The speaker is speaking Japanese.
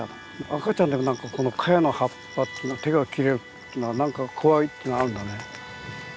赤ちゃんでもこのカヤの葉っぱ手が切れるっていうのが何か怖いっていうのがあるんだね。